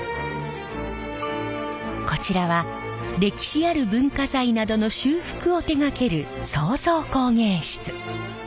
こちらは歴史ある文化財などの修復を手がける創造工芸室。